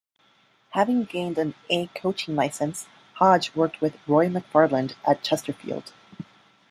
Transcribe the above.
Having gained an A coaching licence Hodge worked with Roy McFarland at Chesterfield.